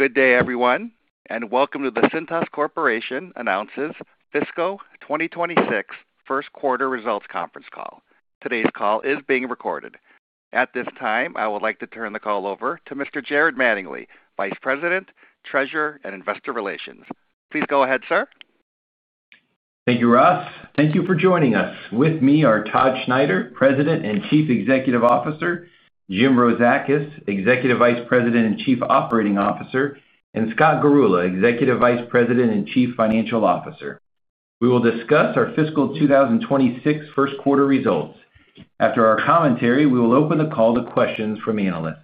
Good day, everyone, and welcome to the Cintas Corporation Announces Fiscal 2026 First Quarter Results Conference Call. Today's call is being recorded. At this time, I would like to turn the call over to Mr. Jared Mattingley, Vice President, Treasurer, and Investor Relations. Please go ahead, sir. Thank you, Ross. Thank you for joining us. With me are Todd Schneider, President and Chief Executive Officer; Jim Rozakis, Executive Vice President and Chief Operating Officer; and Scott Garula, Executive Vice President and Chief Financial Officer. We will discuss our fiscal 2026 first quarter results. After our commentary, we will open the call to questions from analysts.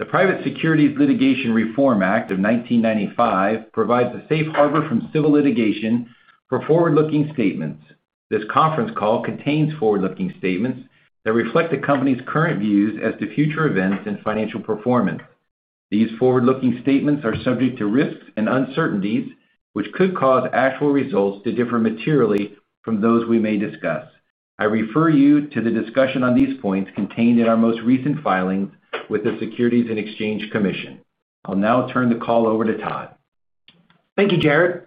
The Private Securities Litigation Reform Act of 1995 provides a safe harbor from civil litigation for forward-looking statements. This conference call contains forward-looking statements that reflect the company's current views as to future events in financial performance. These forward-looking statements are subject to risks and uncertainties, which could cause actual results to differ materially from those we may discuss. I refer you to the discussion on these points contained in our most recent filings with the Securities and Exchange Commission. I'll now turn the call over to Todd. Thank you, Jared.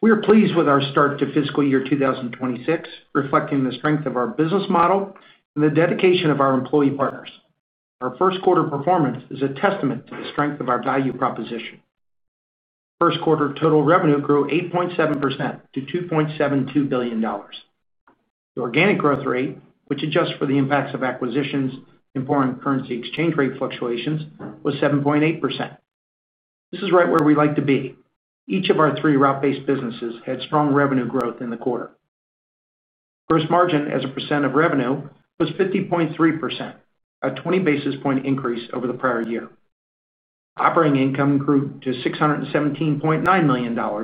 We are pleased with our start to fiscal year 2026, reflecting the strength of our business model and the dedication of our employee partners. Our first quarter performance is a testament to the strength of our value proposition. First quarter total revenue grew 8.7% to $2.72 billion. The organic growth rate, which adjusts for the impacts of acquisitions and foreign currency exchange rate fluctuations, was 7.8%. This is right where we like to be. Each of our three route-based businesses had strong revenue growth in the quarter. Gross margin as a percent of revenue was 50.3%, a 20 basis point increase over the prior year. Operating income grew to $617.9 million, an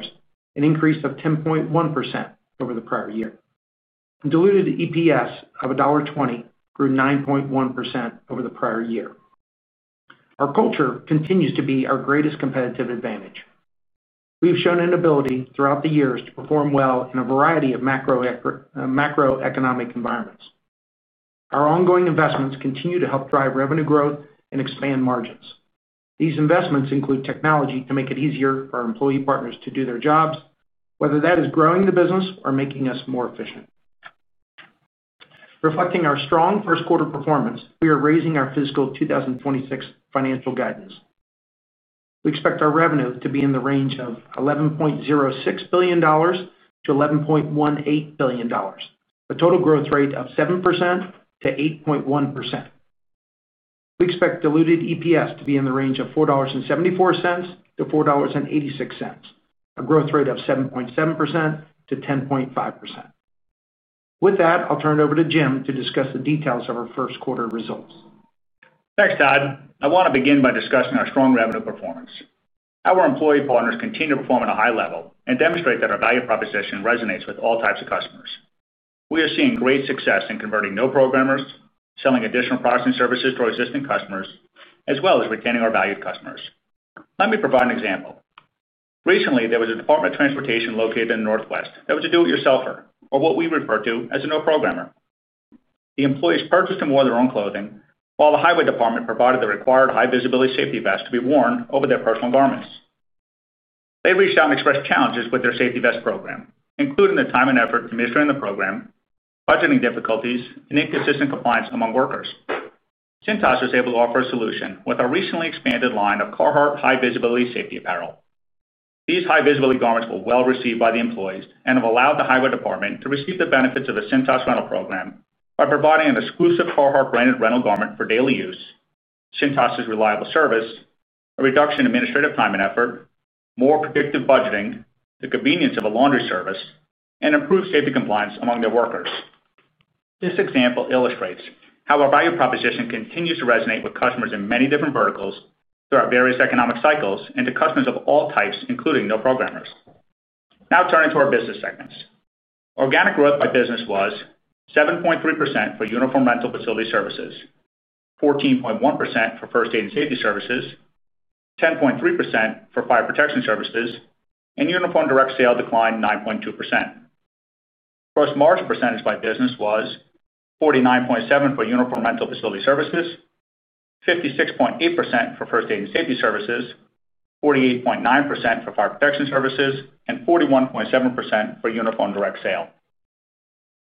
increase of 10.1% over the prior year. Diluted EPS of $1.20 grew 9.1% over the prior year. Our culture continues to be our greatest competitive advantage. We've shown an ability throughout the years to perform well in a variety of macroeconomic environments. Our ongoing investments continue to help drive revenue growth and expand margins. These investments include technology to make it easier for our employee partners to do their jobs, whether that is growing the business or making us more efficient. Reflecting our strong first quarter performance, we are raising our fiscal 2026 financial guidance. We expect our revenue to be in the range of $11.06 billion-$11.18 billion, a total growth rate of 7%-8.1%. We expect diluted EPS to be in the range of $4.74-$4.86, a growth rate of 7.7%-10.5%. With that, I'll turn it over to Jim to discuss the details of our first quarter results. Thanks, Todd. I want to begin by discussing our strong revenue performance. Our employee partners continue to perform at a high level and demonstrate that our value proposition resonates with all types of customers. We are seeing great success in converting no-programmers, selling additional processing services to our existing customers, as well as retaining our valued customers. Let me provide an example. Recently, there was a department of transportation located in Northwest that was a do-it-yourselfer, or what we refer to as a no programmer. The employees purchased and wore their own clothing, while the highway department provided the required high visibility safety vest to be worn over their personal garments. They reached out and expressed challenges with their safety vest program, including the time and effort to administer the program, budgeting difficulties, and inconsistent compliance among workers. Cintas was able to offer a solution with our recently expanded line of Carhartt high visibility safety apparel. These high visibility garments were well received by the employees and have allowed the highway department to receive the benefits of the Cintas rental program by providing an exclusive Carhartt branded rental garment for daily use, Cintas' reliable service, a reduction in administrative time and effort, more predictive budgeting, the convenience of a laundry service, and improved safety compliance among their workers. This example illustrates how our value proposition continues to resonate with customers in many different verticals through our various economic cycles and to customers of all types, including no-programmers. Now turning to our business segments, organic growth by business was 7.3% for uniform rental facility services, 14.1% for first aid and safety services, 10.3% for fire protection services, and uniform direct sale declined 9.2%. Gross margin percentage by business was 49.7% for uniform rental facility services, 56.8% for first aid and safety services, 48.9% for fire protection services, and 41.7% for uniform direct sale.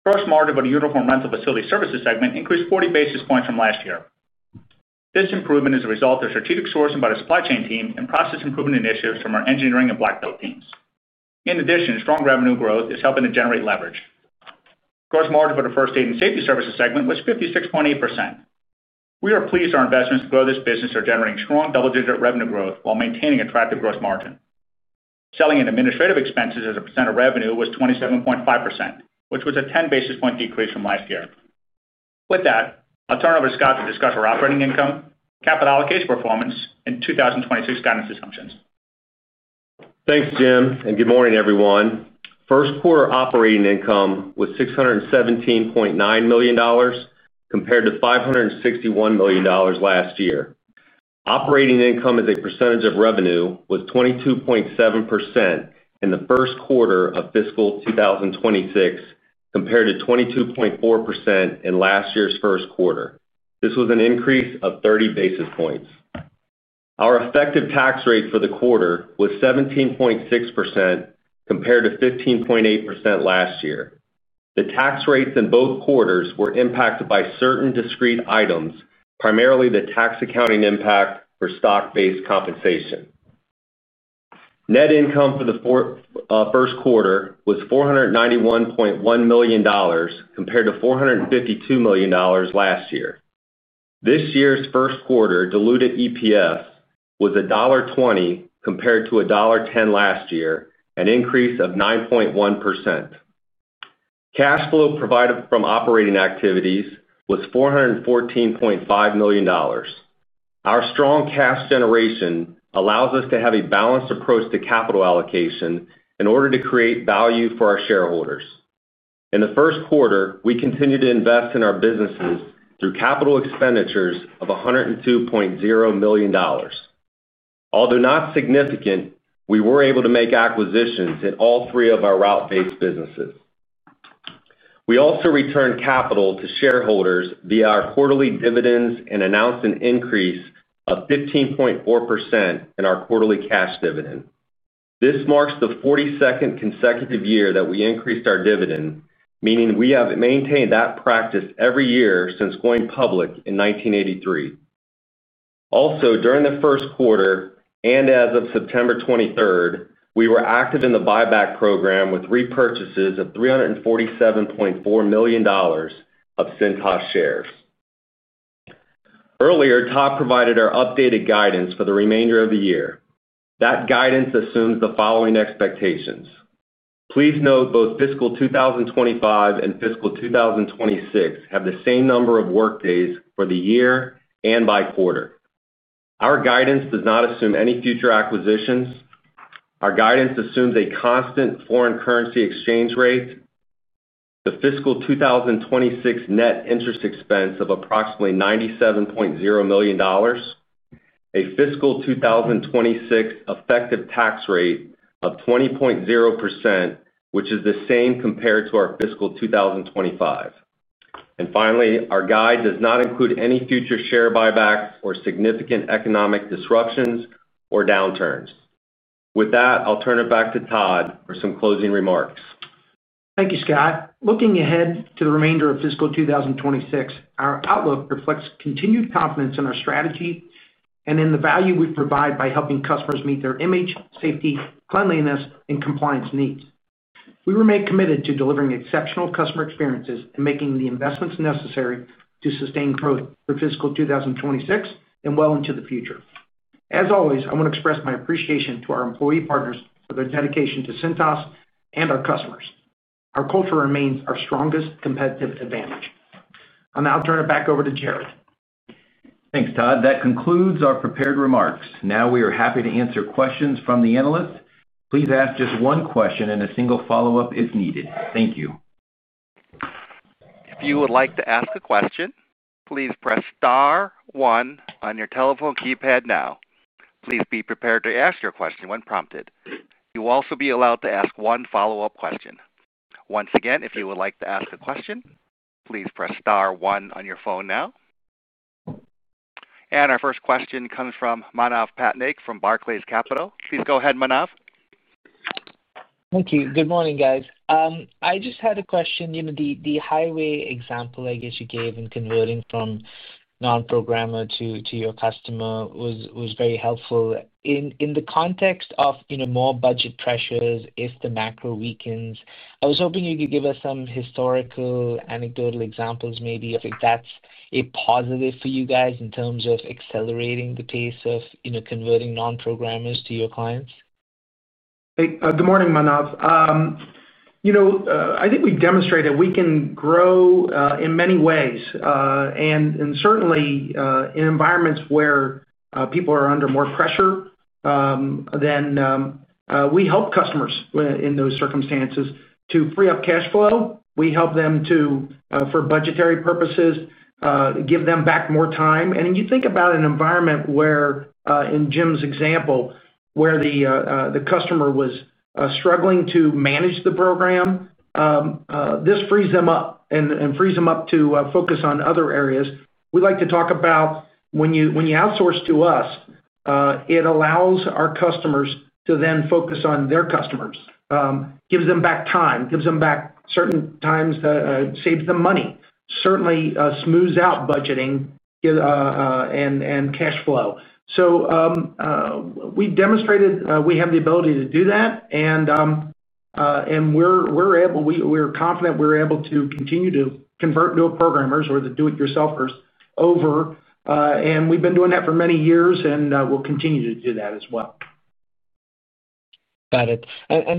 Gross margin for the uniform rental facility services segment increased 40 basis points from last year. This improvement is a result of strategic sourcing by the supply chain team and process improvement initiatives from our engineering and black belt teams. In addition, strong revenue growth is helping to generate leverage. Gross margin for the first aid and safety services segment was 56.8%. We are pleased our investments to grow this business are generating strong double-digit revenue growth while maintaining attractive gross margin. Selling and administrative expenses as a percent of revenue was 27.5%, which was a 10 basis point decrease from last year. With that, I'll turn it over to Scott to discuss our operating income, capital allocation performance, and 2026 guidance assumptions. Thanks, Jim, and good morning, everyone. First quarter operating income was $617.9 million compared to $561 million last year. Operating income as a percentage of revenue was 22.7% in the first quarter of fiscal 2026 compared to 22.4% in last year's first quarter. This was an increase of 30 basis points. Our effective tax rate for the quarter was 17.6% compared to 15.8% last year. The tax rates in both quarters were impacted by certain discrete items, primarily the tax accounting impact for stock-based compensation. Net income for the first quarter was $491.1 million compared to $452 million last year. This year's first quarter diluted EPS was $1.20 compared to $1.10 last year, an increase of 9.1%. Cash flow provided from operating activities was $414.5 million. Our strong cash generation allows us to have a balanced approach to capital allocation in order to create value for our shareholders. In the first quarter, we continued to invest in our businesses through capital expenditures of $102.0 million. Although not significant, we were able to make acquisitions in all three of our route-based businesses. We also returned capital to shareholders via our quarterly dividends and announced an increase of 15.4% in our quarterly cash dividend. This marks the 42nd consecutive year that we increased our dividend, meaning we have maintained that practice every year since going public in 1983. Also, during the first quarter and as of September 23rd, we were active in the buyback program with repurchases of $347.4 million of Cintas shares. Earlier, Todd provided our updated guidance for the remainder of the year. That guidance assumes the following expectations. Please note both fiscal 2025 and fiscal 2026 have the same number of workdays for the year and by quarter. Our guidance does not assume any future acquisitions. Our guidance assumes a constant foreign currency exchange rate, the fiscal 2026 net interest expense of approximately $97.0 million, a fiscal 2026 effective tax rate of 20.0%, which is the same compared to our fiscal 2025. Finally, our guide does not include any future share buybacks or significant economic disruptions or downturns. With that, I'll turn it back to Todd for some closing remarks. Thank you, Scott. Looking ahead to the remainder of fiscal 2026, our outlook reflects continued confidence in our strategy and in the value we provide by helping customers meet their image, safety, cleanliness, and compliance needs. We remain committed to delivering exceptional customer experiences and making the investments necessary to sustain growth for fiscal 2026 and well into the future. As always, I want to express my appreciation to our employee partners for their dedication to Cintas and our customers. Our culture remains our strongest competitive advantage. I'll now turn it back over to Jared. Thanks, Todd. That concludes our prepared remarks. Now we are happy to answer questions from the analysts. Please ask just one question and a single follow-up if needed. Thank you. If you would like to ask a question, please press star one on your telephone keypad now. Please be prepared to ask your question when prompted. You will also be allowed to ask one follow-up question. Once again, if you would like to ask a question, please press star one on your phone now. Our first question comes from Manav Patnaik from Barclays. Please go ahead, Manav. Thank you. Good morning, guys. I just had a question. The highway example you gave in converting from non-programmer to your customer was very helpful. In the context of more budget pressures, if the macro weakens, I was hoping you could give us some historical anecdotal examples if that's a positive for you guys in terms of accelerating the pace of converting no-programmers to your clients. Good morning, Manav. I think we demonstrate that we can grow in many ways. Certainly, in environments where people are under more pressure, we help customers in those circumstances to free up cash flow. We help them to, for budgetary purposes, give them back more time. When you think about an environment where, in Jim's example, the customer was struggling to manage the program, this frees them up and frees them up to focus on other areas. We like to talk about when you outsource to us, it allows our customers to then focus on their customers. It gives them back time, gives them back certain times that saves them money, certainly smooths out budgeting and cash flow. We've demonstrated we have the ability to do that. We're confident we're able to continue to convert no-programmers or the do-it-yourselfers over. We've been doing that for many years and we'll continue to do that as well. Got it.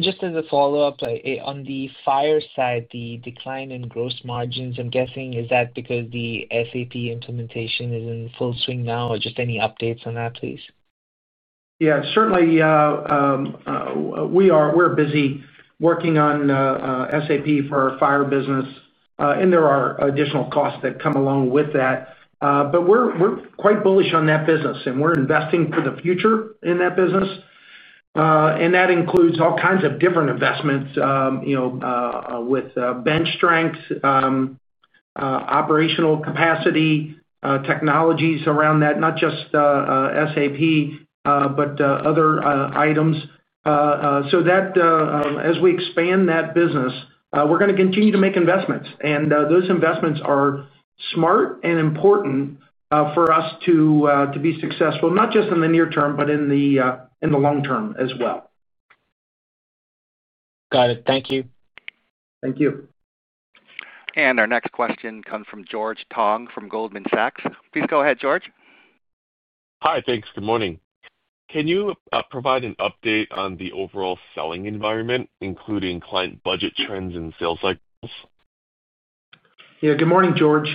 Just as a follow-up, on the fire side, the decline in gross margins, I'm guessing, is that because the SAP implementation is in full swing now, or just any updates on that, please? Yeah, certainly. We are busy working on SAP for our fire protection services business, and there are additional costs that come along with that. We're quite bullish on that business, and we're investing for the future in that business. That includes all kinds of different investments, you know, with bench strength, operational capacity, technologies around that, not just SAP, but other items. As we expand that business, we're going to continue to make investments, and those investments are smart and important for us to be successful, not just in the near term, but in the long term as well. Got it. Thank you. Thank you. Our next question comes from George Tong from Goldman Sachs. Please go ahead, George. Hi, thanks. Good morning. Can you provide an update on the overall selling environment, including client budget trends and sales cycles? Yeah, good morning, George.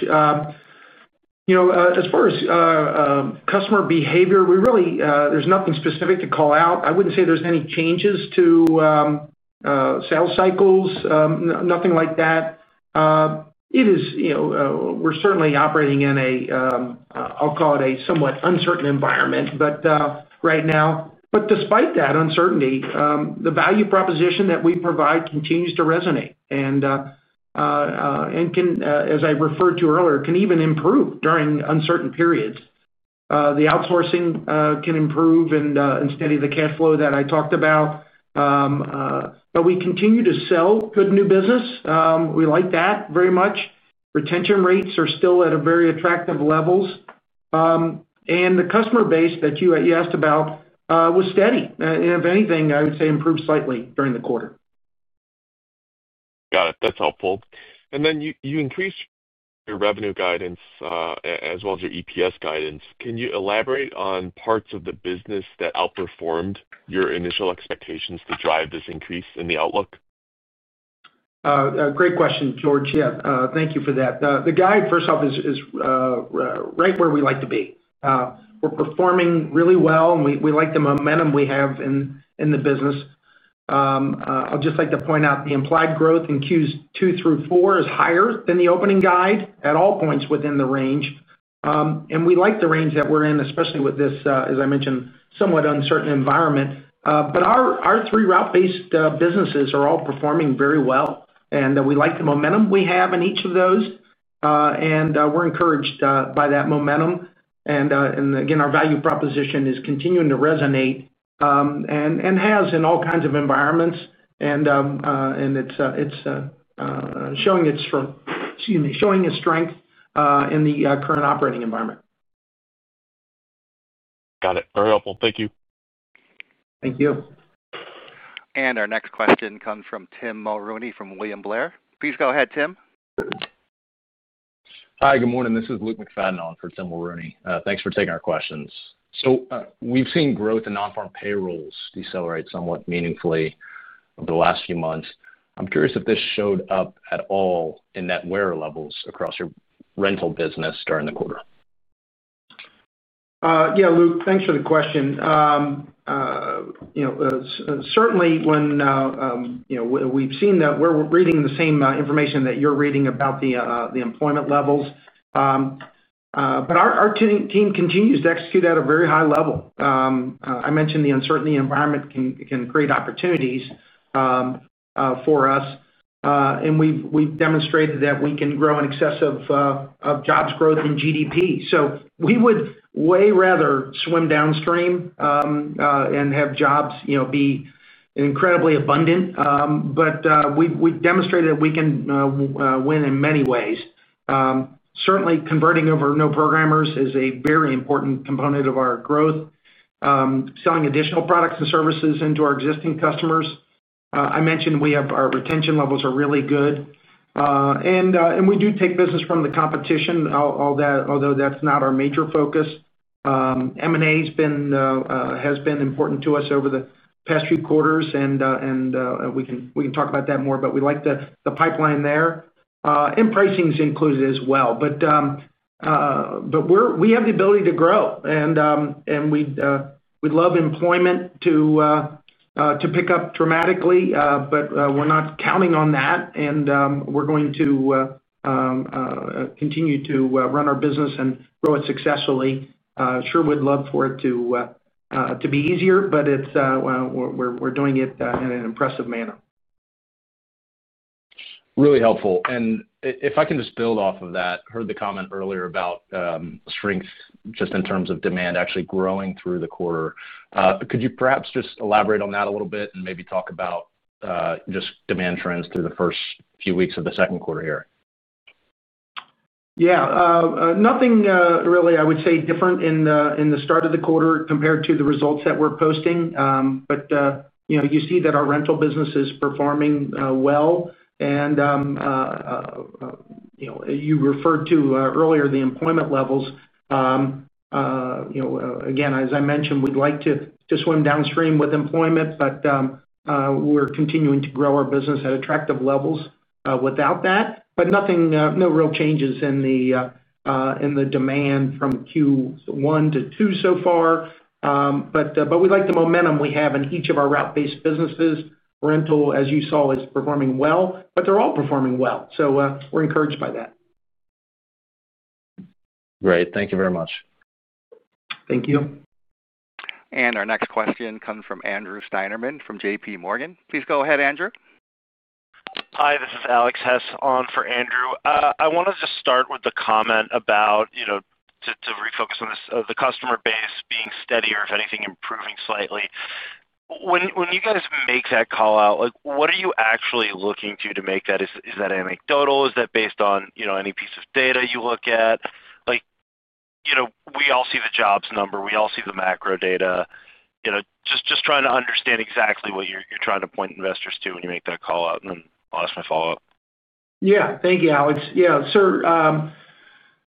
As far as customer behavior, we really, there's nothing specific to call out. I wouldn't say there's any changes to sales cycles, nothing like that. We're certainly operating in a, I'll call it a somewhat uncertain environment right now. Despite that uncertainty, the value proposition that we provide continues to resonate. As I referred to earlier, it can even improve during uncertain periods. The outsourcing can improve and steady the cash flow that I talked about. We continue to sell good new business. We like that very much. Retention rates are still at very attractive levels. The customer base that you asked about was steady. If anything, I would say improved slightly during the quarter. Got it. That's helpful. You increased your revenue guidance as well as your EPS guidance. Can you elaborate on parts of the business that outperformed your initial expectations to drive this increase in the outlook? Great question, George. Yeah, thank you for that. The guide, first off, is right where we like to be. We're performing really well, and we like the momentum we have in the business. I'd just like to point out the implied growth in Q2 through Q4 is higher than the opening guide at all points within the range. We like the range that we're in, especially with this, as I mentioned, somewhat uncertain environment. Our three route-based businesses are all performing very well, and we like the momentum we have in each of those. We're encouraged by that momentum. Our value proposition is continuing to resonate and has in all kinds of environments. It's showing its strength in the current operating environment. Got it. Very helpful. Thank you. Thank you. Our next question comes from Tim Mulrooney from William Blair. Please go ahead, Tim. Hi, good morning. This is Luke McFadden on for Tim Mulrooney. Thanks for taking our questions. We've seen growth in non-farm payrolls decelerate somewhat meaningfully over the last few months. I'm curious if this showed up at all in net wear levels across your rental business during the quarter. Yeah, Luke, thanks for the question. Certainly, when we've seen that, we're reading the same information that you're reading about the employment levels. Our team continues to execute at a very high level. I mentioned the uncertainty environment can create opportunities for us, and we've demonstrated that we can grow in excess of jobs growth in GDP. We would way rather swim downstream and have jobs be incredibly abundant, but we've demonstrated that we can win in many ways. Certainly, converting over no-programmers is a very important component of our growth, selling additional products and services into our existing customers. I mentioned our retention levels are really good, and we do take business from the competition, although that's not our major focus. M&A has been important to us over the past few quarters, and we can talk about that more, but we like the pipeline there. Pricing is included as well, but we have the ability to grow. We'd love employment to pick up dramatically, but we're not counting on that, and we're going to continue to run our business and grow it successfully. Sure, we'd love for it to be easier, but we're doing it in an impressive manner. Really helpful. If I can just build off of that, I heard the comment earlier about strengths just in terms of demand actually growing through the quarter. Could you perhaps just elaborate on that a little bit and maybe talk about just demand trends through the first few weeks of the second quarter here? Yeah, nothing really I would say different in the start of the quarter compared to the results that we're posting. You see that our rental business is performing well. You referred to earlier the employment levels. Again, as I mentioned, we'd like to swim downstream with employment, but we're continuing to grow our business at attractive levels without that. No real changes in the demand from Q1 to Q2 so far. We like the momentum we have in each of our route-based businesses. Rental, as you saw, is performing well, but they're all performing well. We're encouraged by that. Great. Thank you very much. Thank you. Our next question comes from Andrew Steinerman from JPMorgan Securities. Please go ahead, Andrew. Hi, this is Alex Hess on for Andrew. I want to just start with the comment about, you know, to refocus on this, the customer base being steady or if anything improving slightly. When you guys make that call out, what are you actually looking to to make that? Is that anecdotal? Is that based on any piece of data you look at? You know, we all see the jobs number, we all see the macro data. I'm just trying to understand exactly what you're trying to point investors to when you make that call out. I'll ask my follow-up. Yeah, thank you, Alex. Yeah, sir,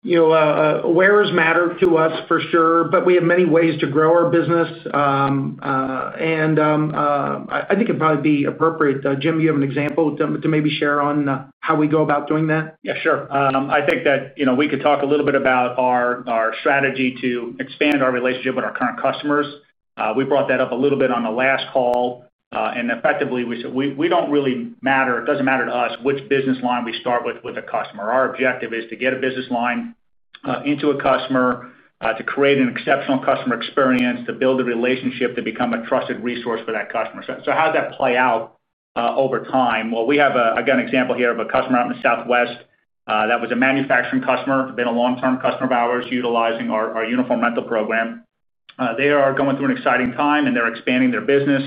you know, awareness matters to us for sure. We have many ways to grow our business. I think it'd probably be appropriate, Jim, you have an example to maybe share on how we go about doing that? Yeah, sure. I think that, you know, we could talk a little bit about our strategy to expand our relationship with our current customers. We brought that up a little bit on the last call. Effectively, we said it doesn't really matter to us which business line we start with with a customer. Our objective is to get a business line into a customer, to create an exceptional customer experience, to build a relationship, to become a trusted resource for that customer. How does that play out over time? We have an example here of a customer out in the Southwest that was a manufacturing customer, been a long-term customer of ours utilizing our uniform rental program. They are going through an exciting time and they're expanding their business,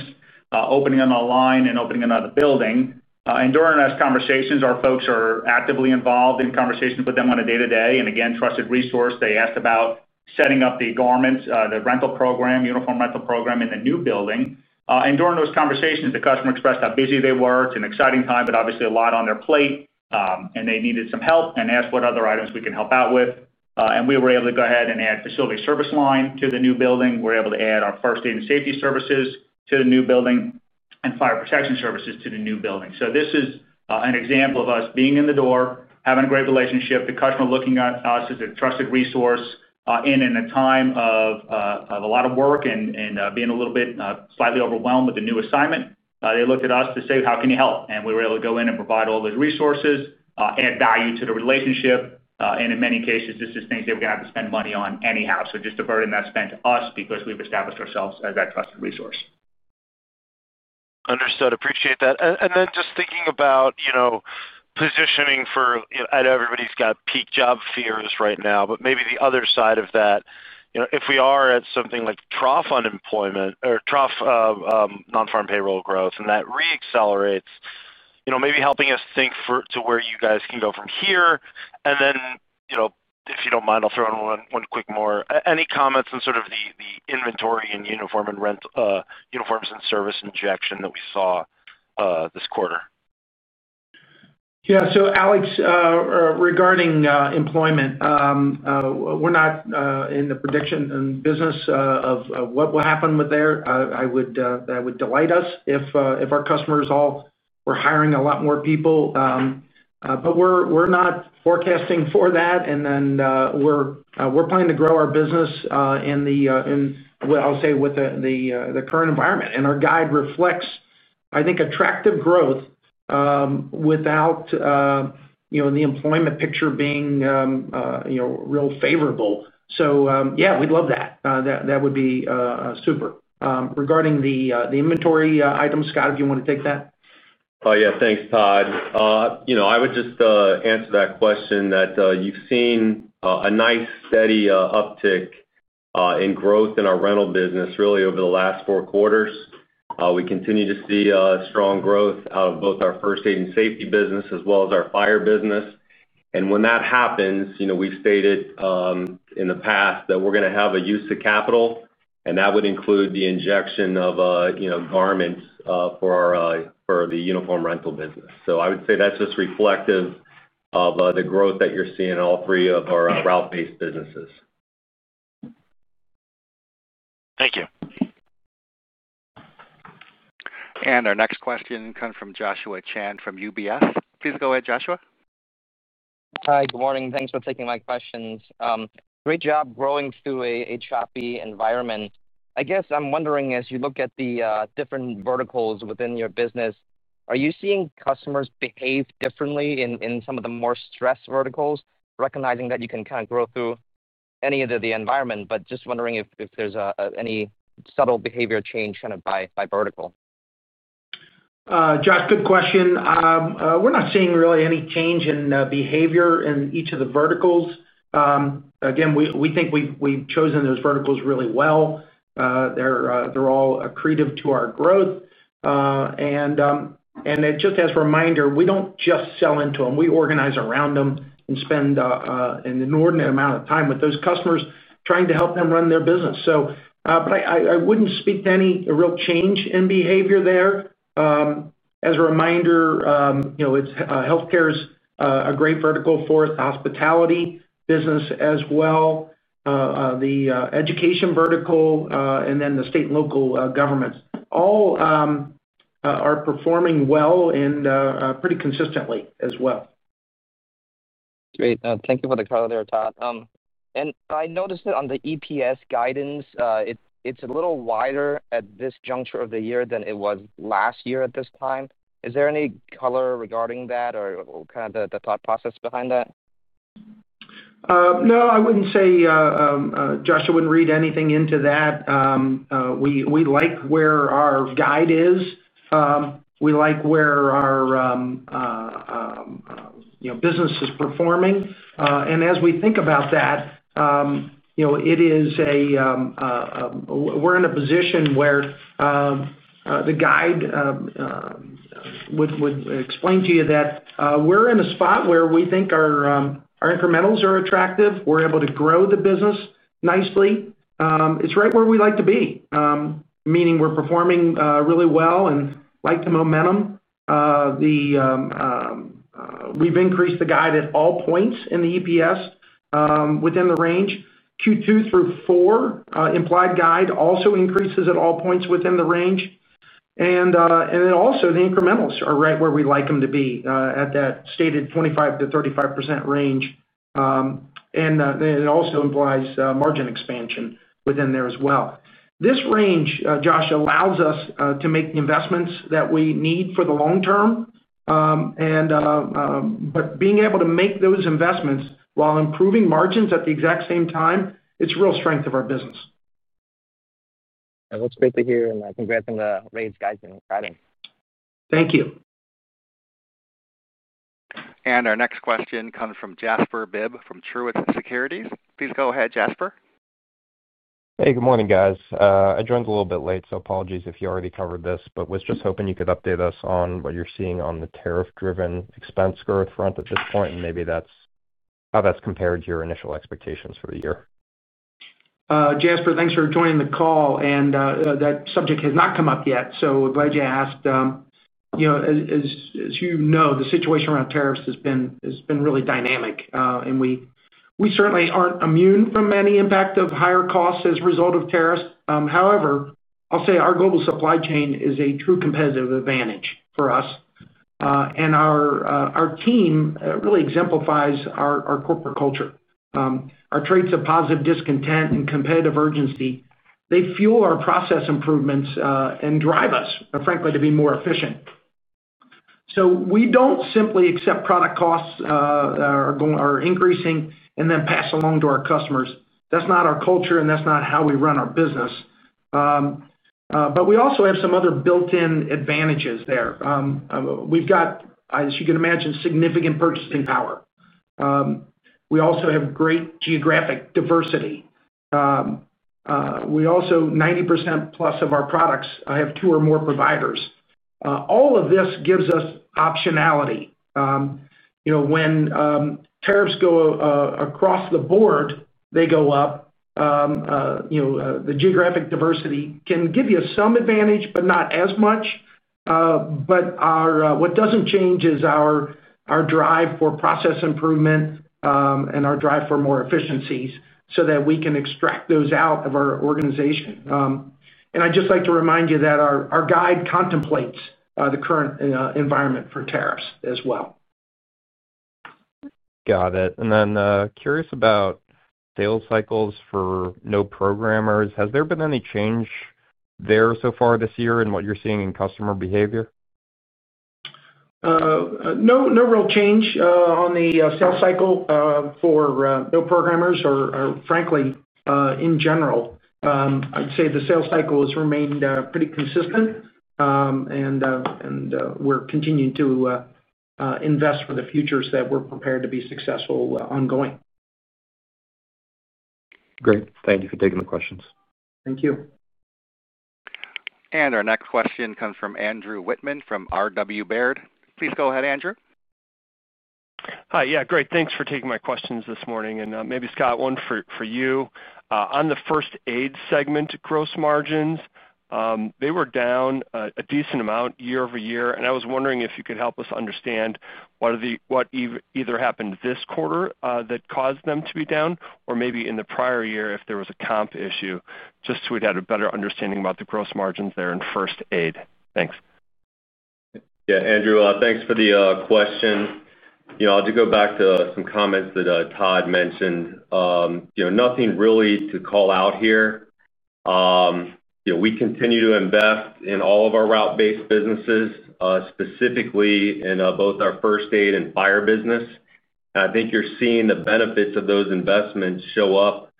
opening another line and opening another building. During those conversations, our folks are actively involved in conversations with them 0on a day-to-day basis. Trusted resource, they asked about setting up the garments, the rental program, uniform rental program in the new building. During those conversations, the customer expressed how busy they were. It's an exciting time, but obviously a lot on their plate. They needed some help and asked what other items we can help out with. We were able to go ahead and add a facility service line to the new building. We're able to add our first aid and safety services to the new building and fire protection services to the new building. This is an example of us being in the door, having a great relationship, the customer looking at us as a trusted resource in a time of a lot of work and being a little bit slightly overwhelmed with the new assignment. They looked at us to say, "How can you help?" We were able to go in and provide all the resources and add value to the relationship. In many cases, this is things they were going to have to spend money on anyhow. Just diverting that spend to us because we've established ourselves as that trusted resource. Understood. Appreciate that. Just thinking about positioning for, you know, I know everybody's got peak job fears right now, but maybe the other side of that. If we are at something like trough unemployment or trough non-farm payroll growth and that re-accelerates, maybe helping us think to where you guys can go from here. If you don't mind, I'll throw in one quick more. Any comments on sort of the inventory and uniform and rent uniforms and service injection that we saw this quarter? Yeah, so Alex, regarding employment, we're not in the prediction business of what will happen with there. That would delight us if our customers all were hiring a lot more people, but we're not forecasting for that. We're planning to grow our business in the, I'll say, with the current environment, and our guide reflects, I think, attractive growth without, you know, the employment picture being, you know, real favorable. Yeah, we'd love that. That would be super. Regarding the inventory items, Scott, if you want to take that. Oh yeah, thanks, Todd. I would just answer that question that you've seen a nice steady uptick in growth in our rental business really over the last four quarters. We continue to see strong growth out of both our first aid and safety business as well as our fire business. When that happens, we stated in the past that we're going to have a use of capital. That would include the injection of garments for the uniform rental business. I would say that's just reflective of the growth that you're seeing in all three of our route-based businesses. Thank you. Our next question comes from Joshua Chan from UBS. Please go ahead, Joshua. Hi, good morning. Thanks for taking my questions. Great job growing through a choppy environment. I guess I'm wondering, as you look at the different verticals within your business, are you seeing customers behave differently in some of the more stressed verticals, recognizing that you can kind of grow through any of the environment, just wondering if there's any subtle behavior change kind of by vertical. Josh, good question. We're not seeing really any change in behavior in each of the verticals. Again, we think we've chosen those verticals really well. They're all accretive to our growth. Just as a reminder, we don't just sell into them. We organize around them and spend an inordinate amount of time with those customers trying to help them run their business. I wouldn't speak to any real change in behavior there. As a reminder, you know, healthcare is a great vertical for us, hospitality business as well. The education vertical and then the state and local governments all are performing well and pretty consistently as well. Great. Thank you for the call there, Todd. I noticed that on the EPS guidance, it's a little wider at this juncture of the year than it was last year at this time. Is there any color regarding that or kind of the thought process behind that? No, I wouldn't say, Joshua, wouldn't read anything into that. We like where our guide is. We like where our business is performing. As we think about that, we're in a position where the guide would explain to you that we're in a spot where we think our incrementals are attractive. We're able to grow the business nicely. It's right where we like to be, meaning we're performing really well and like the momentum. We've increased the guide at all points in the EPS within the range. Q2 through Q4 implied guide also increases at all points within the range. The incrementals are right where we like them to be at that stated 25%-35% range. It also implies margin expansion within there as well. This range, Josh, allows us to make the investments that we need for the long term. Being able to make those investments while improving margins at the exact same time, it's a real strength of our business. That's great to hear. Congrats on the raised guidance. Thank you. Our next question comes from Jasper Bibb from Truist Securities. Please go ahead, Jasper. Hey, good morning, guys. I joined a little bit late, so apologies if you already covered this, but was just hoping you could update us on what you're seeing on the tariff-driven expense growth front at [Cintas] and maybe how that's compared to your initial expectations for the year. Jasper, thanks for joining the call. That subject has not come up yet, so glad you asked. You know, as you know, the situation around tariffs has been really dynamic. We certainly aren't immune from any impact of higher costs as a result of tariffs. However, I'll say our global supply chain is a true competitive advantage for us. Our team really exemplifies our corporate culture. Our traits of positive discontent and competitive urgency fuel our process improvements and drive us, frankly, to be more efficient. We don't simply accept product costs that are increasing and then pass along to our customers. That's not our culture and that's not how we run our business. We also have some other built-in advantages there. We've got, as you can imagine, significant purchasing power. We also have great geographic diversity. We also, 90%+ of our products have two or more providers. All of this gives us optionality. You know, when tariffs go across the board, they go up. The geographic diversity can give you some advantage, but not as much. What doesn't change is our drive for process improvement and our drive for more efficiencies so that we can extract those out of our organization. I'd just like to remind you that our guide contemplates the current environment for tariffs as well. Got it. Curious about sales cycles for no-programmers. Has there been any change this year in what you're seeing in customer behavior? No, no real change on the sales cycle for programmers or, frankly, in general. I'd say the sales cycle has remained pretty consistent. We're continuing to invest for the future so that we're prepared to be successful ongoing. Great. Thank you for taking the questions. Thank you. Our next question comes from Andrew Wittmann from Rw Baird. Please go ahead, Andrew. Hi, yeah, great. Thanks for taking my questions this morning. Maybe, Scott, one for you. On the first aid segment gross margins, they were down a decent amount year-over-year. I was wondering if you could help us understand what either happened this quarter that caused them to be down or maybe in the prior year if there was a comp issue, just so we'd have a better understanding about the gross margins there in first aid. Thanks. Yeah, Andrew, thanks for the question. I'll just go back to some comments that Todd mentioned. Nothing really to call out here. We continue to invest in all of our route-based businesses, specifically in both our first aid and fire business. I think you're seeing the benefits of those investments show up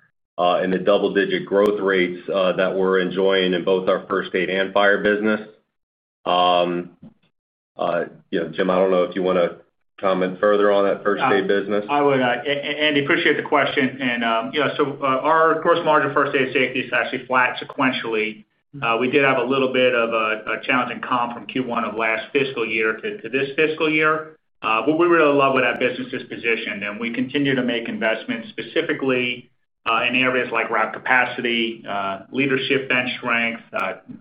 in the double-digit growth rates that we're enjoying in both our first aid and fire business. Jim, I don't know if you want to comment further on that first aid business. I would, Andy, appreciate the question. You know, our gross margin first aid and safety is actually flat sequentially. We did have a little bit of a challenging comp from Q1 of last fiscal year to this fiscal year. What we really love with that business is position. We continue to make investments specifically in areas like route capacity, leadership bench strength,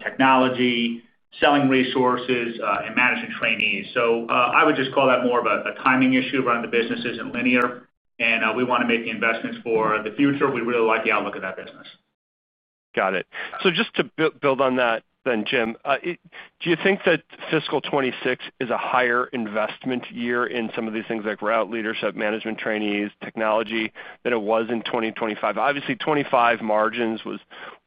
technology, selling resources, and managing trainees. I would just call that more of a timing issue. Running the business isn't linear, and we want to make the investments for the future. We really like the outlook of that business. Got it. Just to build on that then, Jim, do you think that fiscal 2026 is a higher investment year in some of these things like route leadership, management trainees, technology than it was in 2025? Obviously, 2025 margins was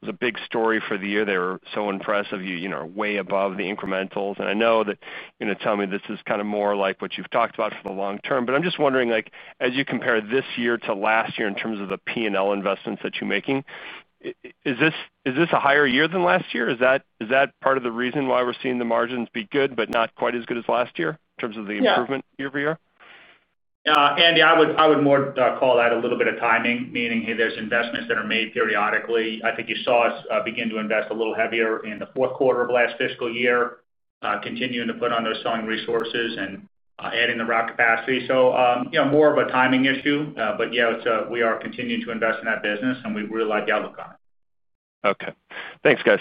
a big story for the year. They were so impressive. You're way above the incrementals. I know that you're going to tell me this is kind of more like what you've talked about for the long term. I'm just wondering, as you compare this year to last year in terms of the P&L investments that you're making, is this a higher year than last year? Is that part of the reason why we're seeing the margins be good but not quite as good as last year in terms of the improvement year-over-year? Yeah, Andy, I would more call that a little bit of timing, meaning there's investments that are made periodically. I think you saw us begin to invest a little heavier in the fourth quarter of last fiscal year, continuing to put on those selling resources and adding the route capacity. It's more of a timing issue. Yeah, we are continuing to invest in that business and we really like the outlook on it. Okay. Thanks, guys.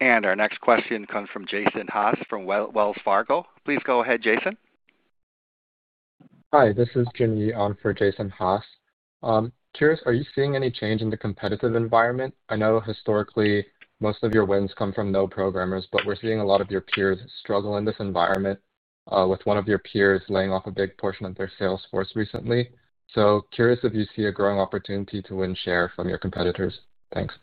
Our next question comes from Jason Haas from Wells Fargo. Please go ahead, Jason. Hi, this is Jimmy on for Jason Haas. Curious, are you seeing any change in the competitive environment? I know historically, most of your wins come from no-programmers, but we're seeing a lot of your peers struggle in this environment with one of your peers laying off a big portion of their sales force recently. Curious if you see a growing opportunity to win share from your competitors. Thanks.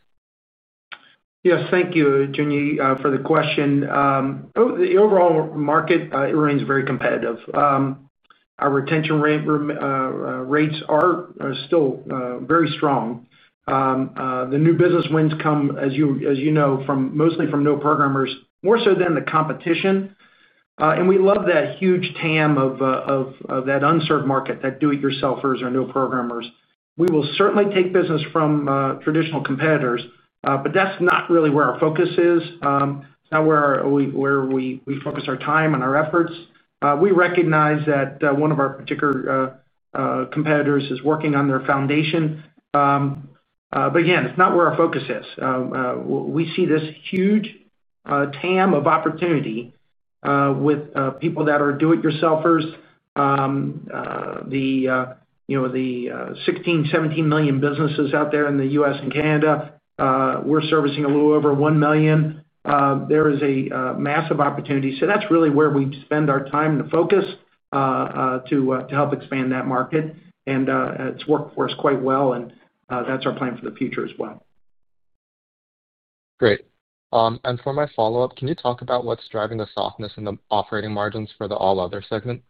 Yes, thank you, Jimmy, for the question. The overall market remains very competitive. Our retention rates are still very strong. The new business wins come, as you know, mostly from no-programmers, more so than the competition. We love that huge TAM of that unserved market, that do-it-yourselfers or no-programmers. We will certainly take business from traditional competitors, but that's not really where our focus is. It's not where we focus our time and our efforts. We recognize that one of our particular competitors is working on their foundation. Again, it's not where our focus is. We see this huge TAM of opportunity with people that are do-it-yourselfers. The 16, 17 million businesses out there in the U.S. and Canada, we're servicing a little over 1 million. There is a massive opportunity. That's really where we spend our time to focus to help expand that market. It's worked for us quite well. That's our plan for the future as well. Great. For my follow-up, can you talk about what's driving the softness in the operating margins for the all-other segment?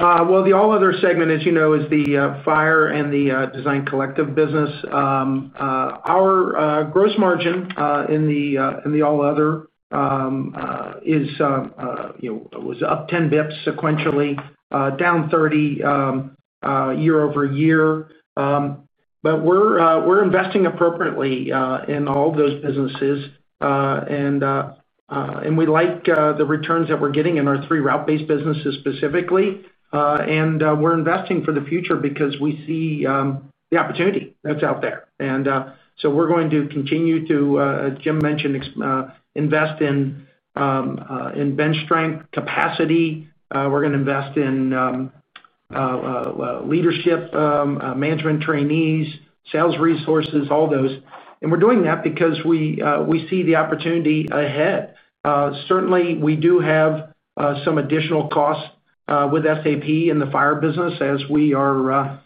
The all-other segment, as you know, is the fire and the design collective business. Our gross margin in the all-other was up 10 basis points sequentially, down 30 basis points year-over-year. We're investing appropriately in all of those businesses, and we like the returns that we're getting in our three route-based businesses specifically. We're investing for the future because we see the opportunity that's out there. We're going to continue to, as Jim mentioned, invest in bench strength and capacity. We're going to invest in leadership, management trainees, sales resources, all those. We're doing that because we see the opportunity ahead. Certainly, we do have some additional costs with SAP in the fire business as we are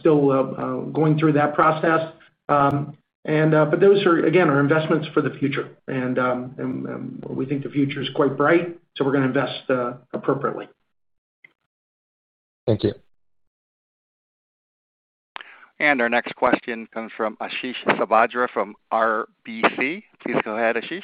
still going through that process, but those are, again, our investments for the future. We think the future is quite bright, so we're going to invest appropriately. Thank you. Our next question comes from Ashish Sabadra from RBC. Please go ahead, Ashish.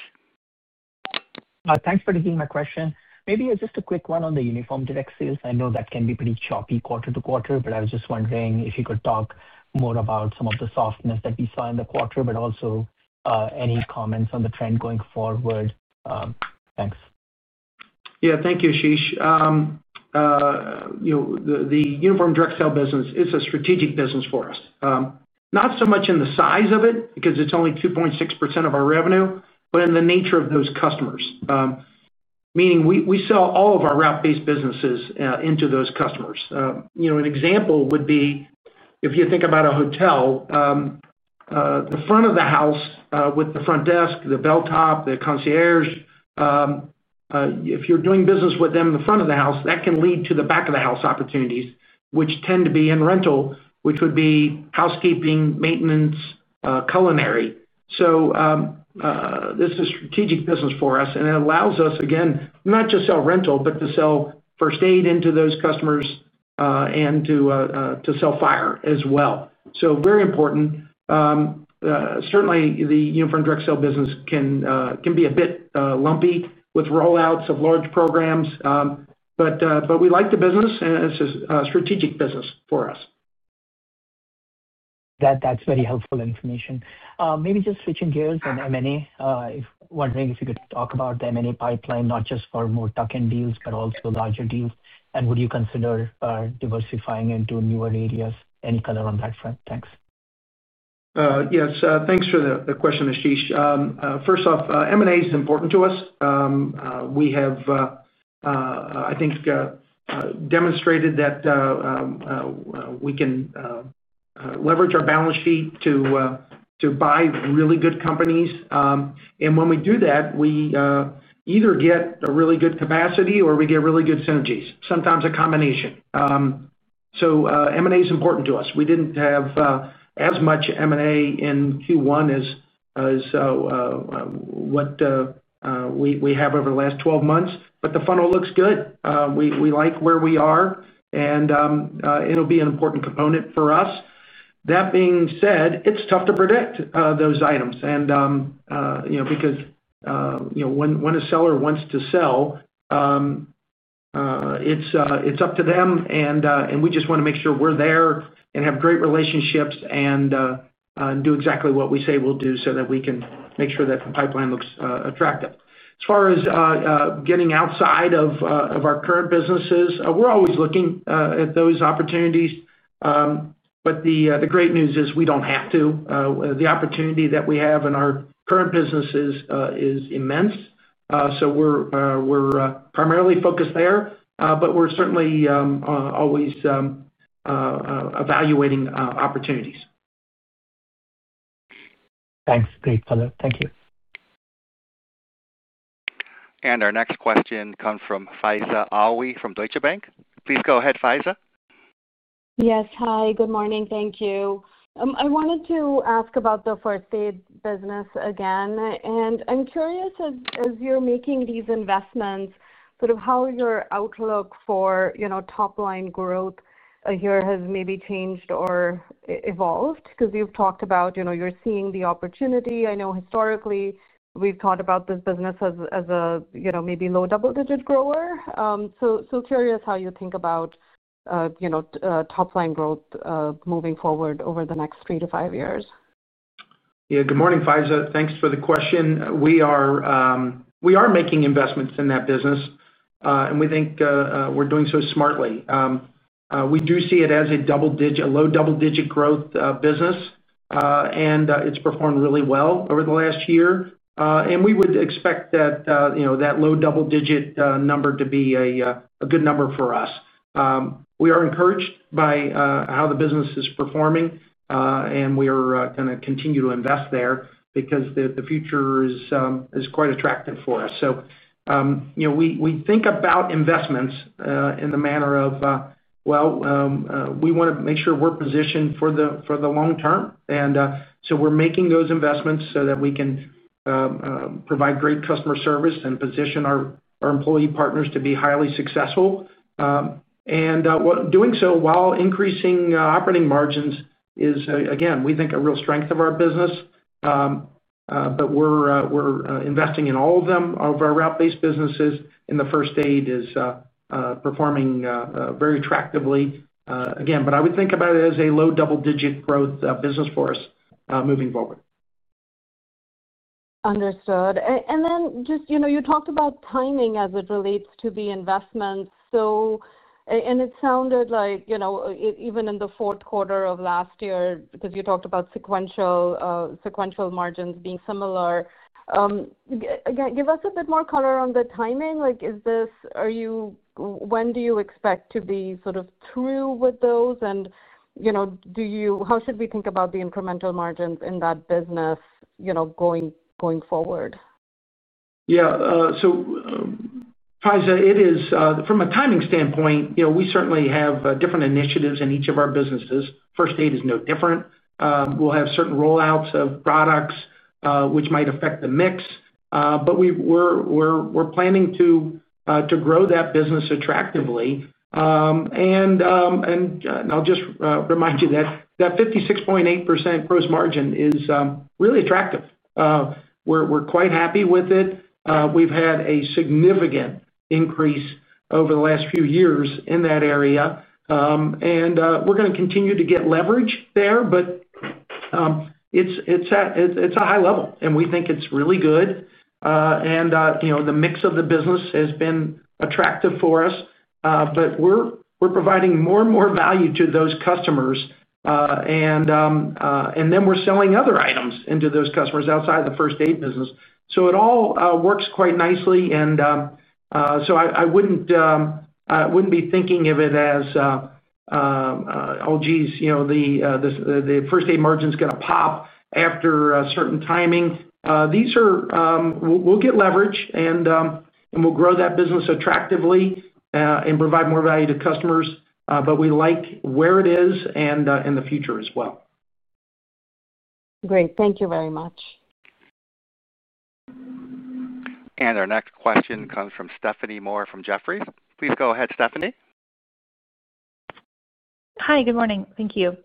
Thanks for taking my question. Maybe just a quick one on the uniform direct sale. I know that can be pretty choppy quarter to quarter, but I was just wondering if you could talk more about some of the softness that we saw in the quarter, but also any comments on the trend going forward. Thanks. Yeah, thank you, Ashish. The uniform direct sale business is a strategic business for us, not so much in the size of it because it's only 2.6% of our revenue, but in the nature of those customers. Meaning we sell all of our route-based businesses into those customers. You know, an example would be if you think about a hotel, the front of the house with the front desk, the bell top, the concierge. If you're doing business with them in the front of the house, that can lead to the back of the house opportunities, which tend to be in rental, which would be housekeeping, maintenance, culinary. This is a strategic business for us, and it allows us, again, not just to sell rental, but to sell first aid into those customers and to sell fire as well. Very important. Certainly, the uniform direct sale business can be a bit lumpy with rollouts of large programs. We like the business, and this is a strategic business for us. That's very helpful information. Maybe just switching gears on M&A. I was wondering if you could talk about the M&A pipeline, not just for more tuck-in deals, but also larger deals. Would you consider diversifying into newer areas? Any color on that front? Thanks. Yes, thanks for the question, Ashish. First off, M&A is important to us. We have, I think, demonstrated that we can leverage our balance sheet to buy really good companies. When we do that, we either get a really good capacity or we get really good synergies, sometimes a combination. M&A is important to us. We didn't have as much M&A in Q1 as what we have over the last 12 months, but the funnel looks good. We like where we are. It'll be an important component for us. That being said, it's tough to predict those items. You know, because when a seller wants to sell, it's up to them. We just want to make sure we're there and have great relationships and do exactly what we say we'll do so that we can make sure that the pipeline looks attractive. As far as getting outside of our current businesses, we're always looking at those opportunities. The great news is we don't have to. The opportunity that we have in our current businesses is immense. We're primarily focused there, but we're certainly always evaluating opportunities. Thanks. Great color. Thank you. Our next question comes from Faiza Alwy from Deutsche Bank. Please go ahead, Faiza. Yes, hi. Good morning. Thank you. I wanted to ask about the first aid and safety services business again. I'm curious, as you're making these investments, how your outlook for top-line growth here has maybe changed or evolved. You've talked about seeing the opportunity. I know historically we've talked about this business as maybe a low double-digit grower. Curious how you think about top-line growth moving forward over the next three to five years. Yeah, good morning, Faiza. Thanks for the question. We are making investments in that business, and we think we're doing so smartly. We do see it as a low double-digit growth business, and it's performed really well over the last year. We would expect that low double-digit number to be a good number for us. We are encouraged by how the business is performing, and we are going to continue to invest there because the future is quite attractive for us. We think about investments in the manner of wanting to make sure we're positioned for the long term, and we're making those investments so that we can provide great customer service and position our employee partners to be highly successful. Doing so while increasing operating margins is, again, we think, a real strength of our business. We're investing in all of our route-based businesses, and the first aid is performing very attractively. Again, I would think about it as a low double-digit growth business for us moving forward. Understood. You talked about timing as it relates to the investments. It sounded like, even in the fourth quarter of last year, because you talked about sequential margins being similar. Give us a bit more color on the timing. Is this, are you, when do you expect to be sort of through with those? How should we think about the incremental margins in that business going forward? Yeah, so Faiza, it is, from a timing standpoint, you know, we certainly have different initiatives in each of our businesses. First aid is no different. We'll have certain rollouts of products, which might affect the mix. We're planning to grow that business attractively. I'll just remind you that that 56.8% gross margin is really attractive. We're quite happy with it. We've had a significant increase over the last few years in that area. We're going to continue to get leverage there. It's at a high level. We think it's really good. The mix of the business has been attractive for us. We're providing more and more value to those customers. We're selling other items into those customers outside of the first aid business. It all works quite nicely. I wouldn't be thinking of it as, oh geez, you know, the first aid margin is going to pop after a certain timing. We'll get leverage and we'll grow that business attractively and provide more value to customers. We like where it is and in the future as well. Great. Thank you very much. Our next question comes from Stephanie Moore from Jefferies. Please go ahead, Stephanie. Hi, good morning. Thank you.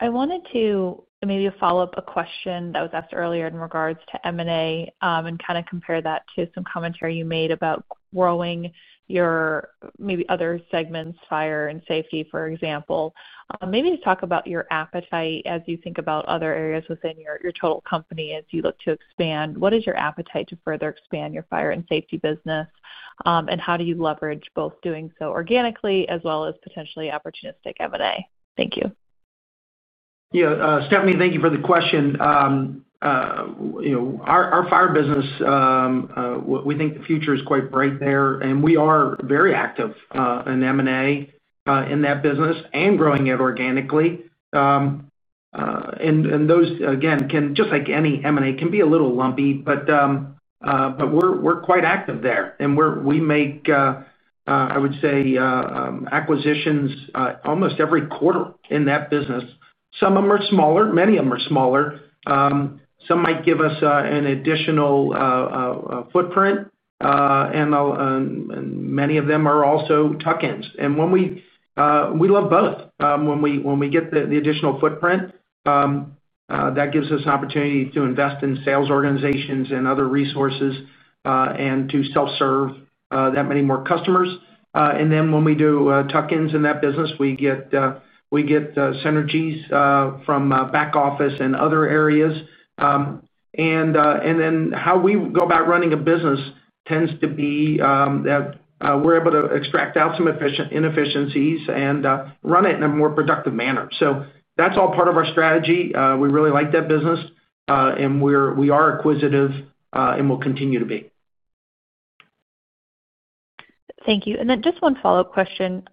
I wanted to maybe follow up a question that was asked earlier in regards to M&A and kind of compare that to some commentary you made about growing your maybe other segments, fire and safety, for example. Maybe to talk about your appetite as you think about other areas within your total company as you look to expand. What is your appetite to further expand your fire and safety business? How do you leverage both doing so organically as well as potentially opportunistic M&A? Thank you. Yeah, Stephanie, thank you for the question. You know, our fire business, we think the future is quite bright there. We are very active in M&A in that business and growing it organically. Those, again, just like any M&A, can be a little lumpy. We're quite active there. We make, I would say, acquisitions almost every quarter in that business. Some of them are smaller. Many of them are smaller. Some might give us an additional footprint. Many of them are also tuck-ins. We love both. When we get the additional footprint, that gives us an opportunity to invest in sales organizations and other resources and to self-serve that many more customers. When we do tuck-ins in that business, we get synergies from back office and other areas. How we go about running a business tends to be that we're able to extract out some inefficiencies and run it in a more productive manner. That's all part of our strategy. We really like that business. We are acquisitive and will continue to be. Thank you. Just one follow-up question.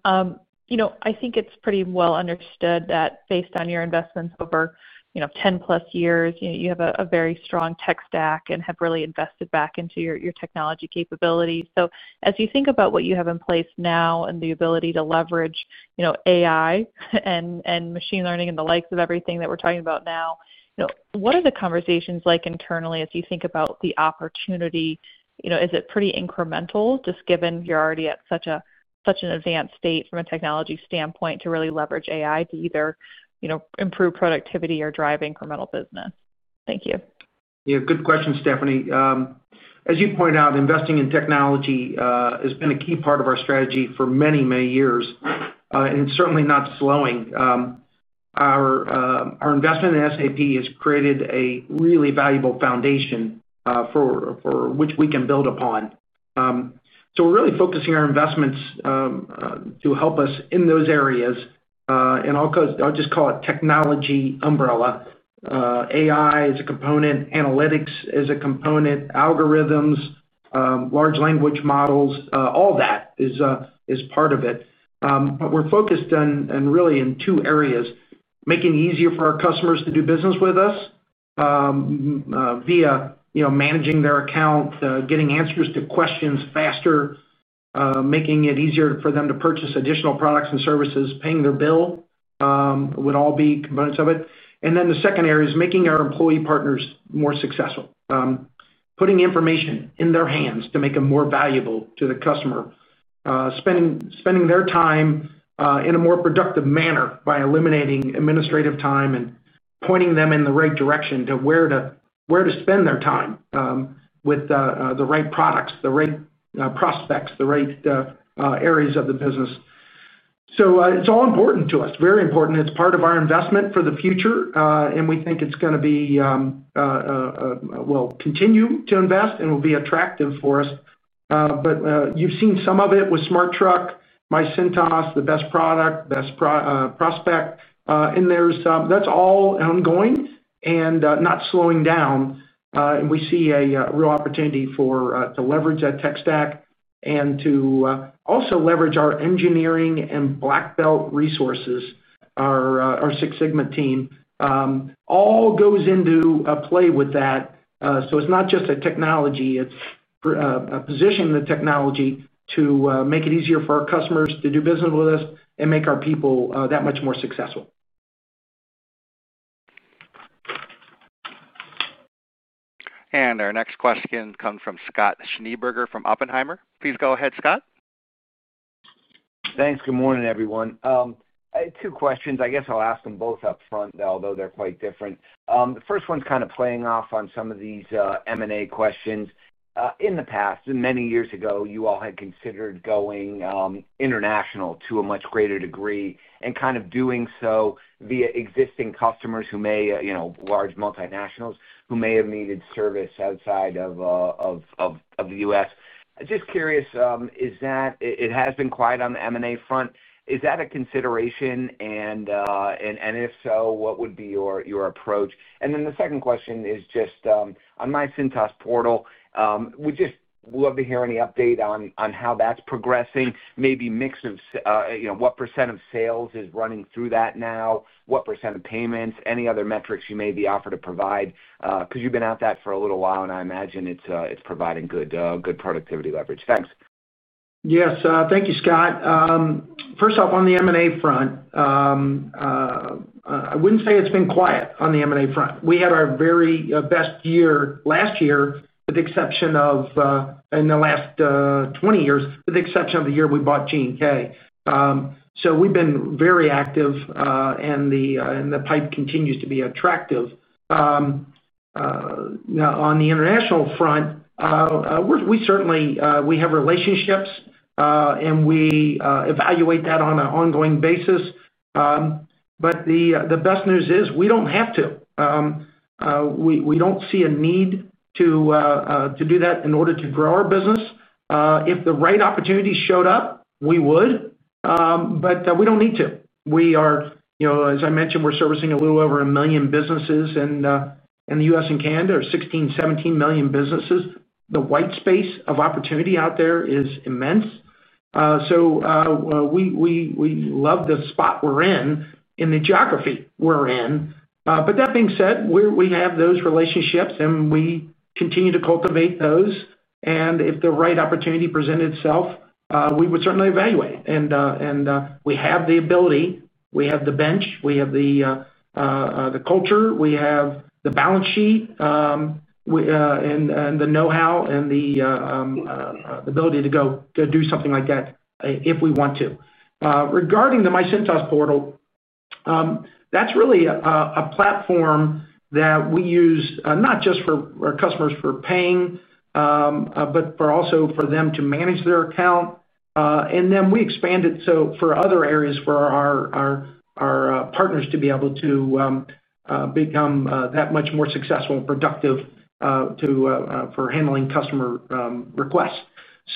I think it's pretty well understood that based on your investments over 10+ years, you have a very strong tech stack and have really invested back into your technology capabilities. As you think about what you have in place now and the ability to leverage AI and machine learning and the likes of everything that we're talking about now, what are the conversations like internally as you think about the opportunity? Is it pretty incremental, just given you're already at such an advanced state from a technology standpoint to really leverage AI to either improve productivity or drive incremental business? Thank you. Yeah, good question, Stephanie. As you point out, investing in technology has been a key part of our strategy for many, many years. It's certainly not slowing. Our investment in SAP has created a really valuable foundation for which we can build upon. We're really focusing our investments to help us in those areas. I'll just call it technology umbrella. AI is a component, analytics is a component, algorithms, large language models, all that is part of it. We're focused on really in two areas: making it easier for our customers to do business with us via managing their account, getting answers to questions faster, making it easier for them to purchase additional products and services, paying their bill would all be components of it. The second area is making our employee partners more successful, putting information in their hands to make them more valuable to the customer, spending their time in a more productive manner by eliminating administrative time and pointing them in the right direction to where to spend their time with the right products, the right prospects, the right areas of the business. It's all important to us, very important. It's part of our investment for the future. We think it's going to be, continue to invest and will be attractive for us. You've seen some of it with Smart Truck, myCintas, the best product, best prospect. That's all ongoing and not slowing down. We see a real opportunity to leverage that tech stack and to also leverage our engineering and black belt resources, our six sigma team. All goes into play with that. It's not just a technology. It's positioning the technology to make it easier for our customers to do business with us and make our people that much more successful. Our next question comes from Scott Schneeberger from Oppenheimer. Please go ahead, Scott. Thanks. Good morning, everyone. Two questions. I guess I'll ask them both up front, although they're quite different. The first one's kind of playing off on some of these M&A questions. In the past, many years ago, you all had considered going international to a much greater degree and kind of doing so via existing customers who may, you know, large multinationals who may have needed service outside of the U.S. Just curious, is that it has been quiet on the M&A front? Is that a consideration? If so, what would be your approach? The second question is just on myCintas portal. We'd just love to hear any update on how that's progressing, maybe mix of, you know, what percent of sales is running through that now, what percent of payments, any other metrics you may be offered to provide, because you've been at that for a little while. I imagine it's providing good productivity leverage. Thanks. Yes, thank you, Scott. First off, on the M&A front, I wouldn't say it's been quiet on the M&A front. We had our very best year last year, with the exception of, in the last 20 years, with the exception of the year we bought G&K. We have been very active, and the pipe continues to be attractive. Now, on the international front, we certainly have relationships, and we evaluate that on an ongoing basis. The best news is we don't have to. We don't see a need to do that in order to grow our business. If the right opportunities showed up, we would. We don't need to. We are, as I mentioned, servicing a little over a million businesses. In the U.S. and Canada, there are 16, 17 million businesses. The white space of opportunity out there is immense. We love the spot we're in and the geography we're in. That being said, we have those relationships, and we continue to cultivate those. If the right opportunity presented itself, we would certainly evaluate. We have the ability. We have the bench. We have the culture. We have the balance sheet and the know-how and the ability to go do something like that if we want to. Regarding the myCintas portal, that's really a platform that we use not just for our customers for paying, but also for them to manage their account. We expand it for other areas for our partners to be able to become that much more successful and productive for handling customer requests.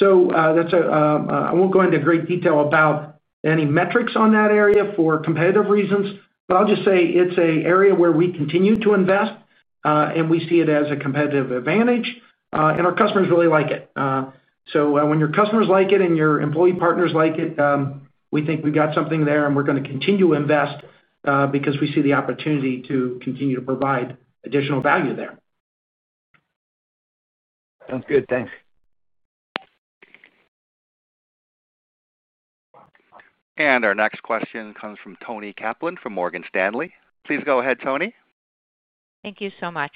I won't go into great detail about any metrics on that area for competitive reasons. I'll just say it's an area where we continue to invest, and we see it as a competitive advantage. Our customers really like it. When your customers like it and your employee partners like it, we think we've got something there, and we're going to continue to invest because we see the opportunity to continue to provide additional value there. Sounds good. Thanks. Our next question comes from Toni Kaplan from Morgan Stanley. Please go ahead, Toni. Thank you so much.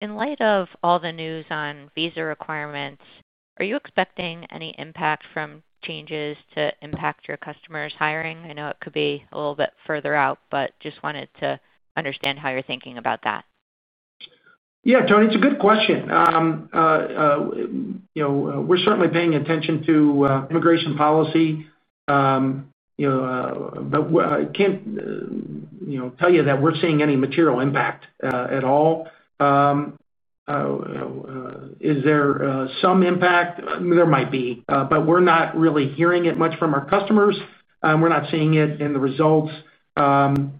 In light of all the news on visa requirements, are you expecting any impact from changes to impact your customers' hiring? I know it could be a little bit further out, but just wanted to understand how you're thinking about that. Yeah, Toni, it's a good question. You know, we're certainly paying attention to immigration policy. I can't tell you that we're seeing any material impact at all. Is there some impact? There might be. We're not really hearing it much from our customers. We're not seeing it in the results. The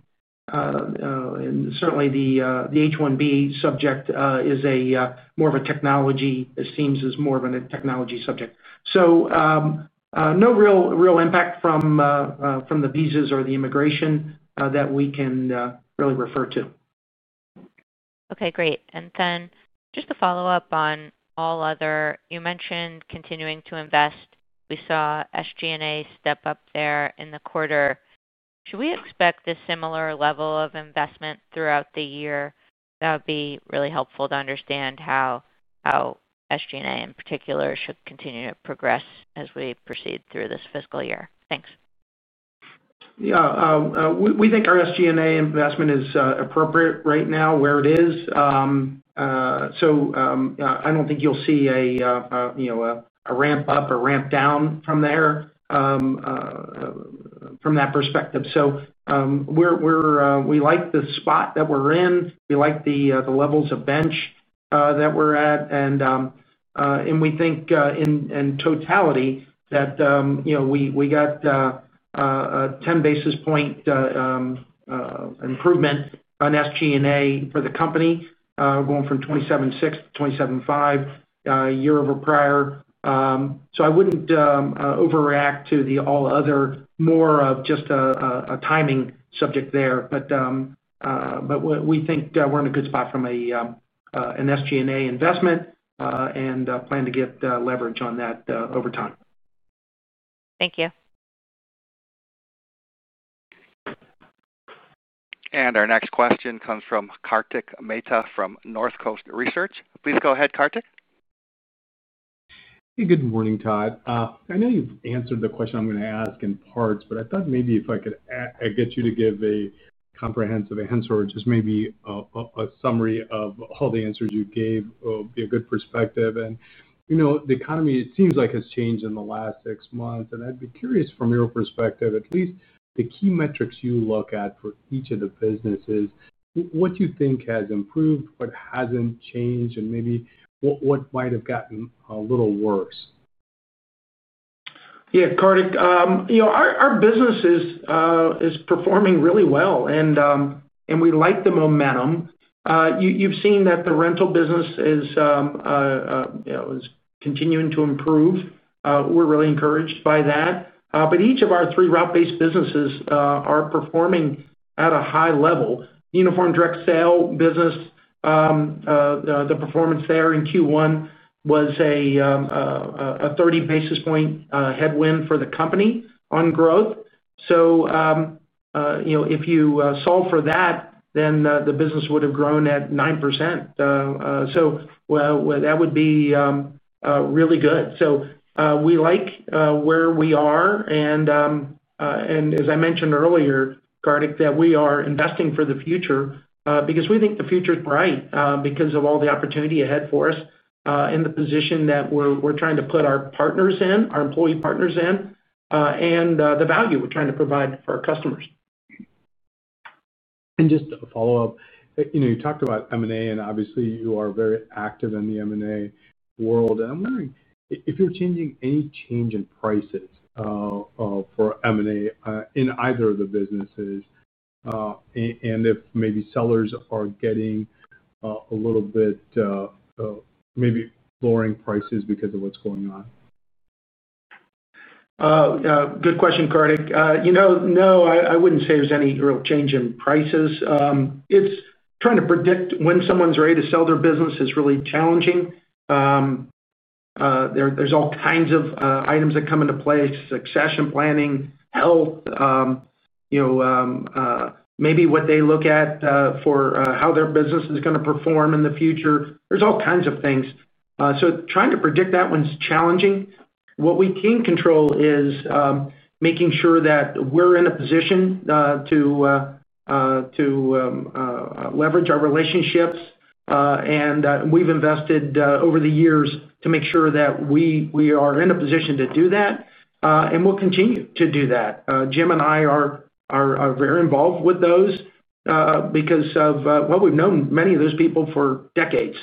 H1B subject is more of a technology, it seems is more of a technology subject. No real impact from the visas or the immigration that we can really refer to. Okay, great. Just to follow up on all other, you mentioned continuing to invest. We saw SG&A step up there in the quarter. Should we expect a similar level of investment throughout the year? That would be really helpful to understand how SG&A in particular should continue to progress as we proceed through this fiscal year. Thanks. Yeah, we think our SG&A investment is appropriate right now where it is. I don't think you'll see a ramp up or ramp down from there, from that perspective. We like the spot that we're in. We like the levels of bench that we're at. We think in totality that we got a 10 basis points improvement on SG&A for the company, going from 27.6% to 27.5% year over prior. I wouldn't overreact to the all other, more of just a timing subject there. We think we're in a good spot from an SG&A investment and plan to get leverage on that over time. Thank you. Our next question comes from Kartik Mehta from Northcoast Research. Please go ahead, Kartik. Good morning, Todd. I know you've answered the question I'm going to ask in parts, but I thought maybe if I could get you to give a comprehensive answer or just maybe a summary of all the answers you gave would be a good perspective. The economy it seems like has changed in the last six months. I'd be curious from your perspective, at least the key metrics you look at for each of the businesses, what you think has improved, what hasn't changed, and maybe what might have gotten a little worse. Yeah, Kartik, you know, our business is performing really well. We like the momentum. You've seen that the rental business is continuing to improve. We're really encouraged by that. Each of our three route-based businesses are performing at a high level. Uniform direct sale business, the performance there in Q1 was a 30 basis point headwind for the company on growth. If you solve for that, then the business would have grown at 9%. That would be really good. We like where we are. As I mentioned earlier, Kartik, we are investing for the future because we think the future is bright because of all the opportunity ahead for us in the position that we're trying to put our partners in, our employee partners in, and the value we're trying to provide for our customers. Just a follow-up. You talked about M&A, and obviously you are very active in the M&A world. I'm wondering if you're seeing any change in prices for M&A in either of the businesses and if maybe sellers are getting a little bit maybe lowering prices because of what's going on. Good question, Kartik. No, I wouldn't say there's any real change in prices. It's trying to predict when someone's ready to sell their business is really challenging. There are all kinds of items that come into play: succession planning, health, maybe what they look at for how their business is going to perform in the future. There are all kinds of things. Trying to predict that one is challenging. What we can control is making sure that we're in a position to leverage our relationships. We've invested over the years to make sure that we are in a position to do that, and we'll continue to do that. Jim and I are very involved with those because we've known many of those people for decades.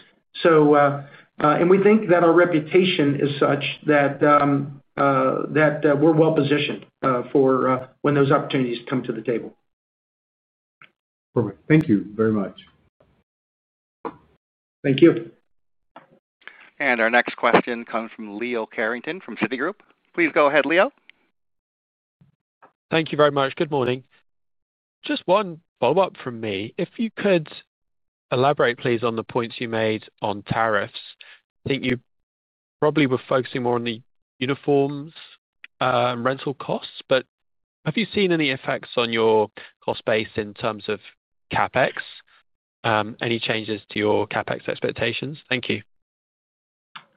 We think that our reputation is such that we're well positioned for when those opportunities come to the table. Perfect. Thank you very much. Thank you. Our next question comes from Leo Carrington from Citigroup. Please go ahead, Leo. Thank you very much. Good morning. Just one follow-up from me. If you could elaborate, please, on the points you made on tariffs, I think you probably were focusing more on the uniforms and rental costs. Have you seen any effects on your cost base in terms of CapEx? Any changes to your CapEx expectations? Thank you.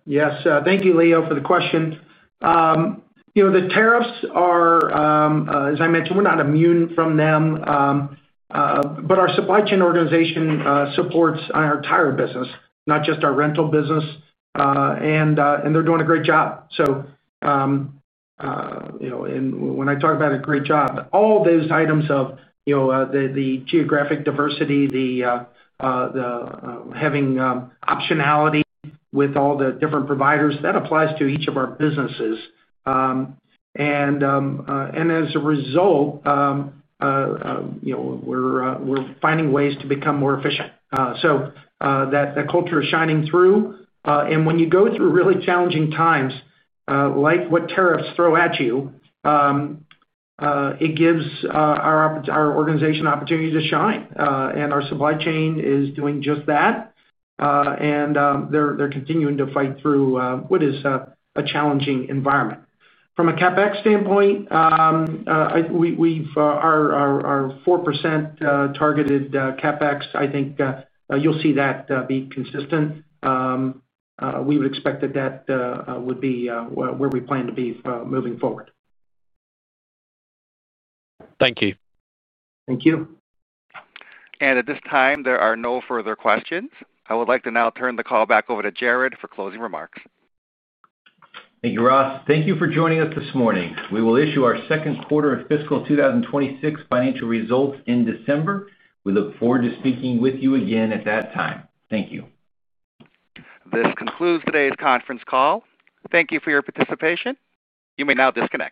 Yes, thank you, Leo, for the question. The tariffs are, as I mentioned, we're not immune from them. Our supply chain organization supports our tire business, not just our rental business, and they're doing a great job. When I talk about a great job, all those items of the geographic diversity, having optionality with all the different providers, that applies to each of our businesses. As a result, we're finding ways to become more efficient. That culture is shining through. When you go through really challenging times, like what tariffs throw at you, it gives our organization opportunity to shine. Our supply chain is doing just that, and they're continuing to fight through what is a challenging environment. From a CapEx standpoint, our 4% targeted CapEx, I think you'll see that be consistent. We would expect that that would be where we plan to be moving forward. Thank you. Thank you. At this time, there are no further questions. I would like to now turn the call back over to Jared for closing remarks. Thank you, Ross. Thank you for joining us this morning. We will issue our Second Quarter and Fiscal 2026 Financial Results in December. We look forward to speaking with you again at that time. Thank you. This concludes today's conference call. Thank you for your participation. You may now disconnect.